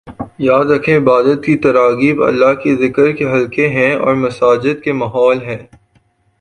یاد رکھیں عبادت کی تراغیب اللہ کے ذکر کے حلقے ہیں اور مساجد کے ماحول ہیں